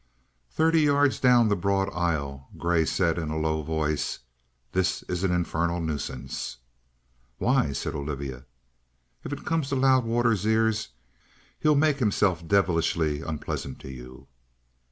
Thirty yards down the broad aisle Grey said in a low voice: "This is an infernal nuisance!" "Why?" said Olivia. "If it comes to Loudwater's ears, he'll make himself devilishly unpleasant to you."